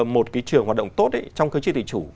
một trường hoạt động tốt trong cơ chế tự chủ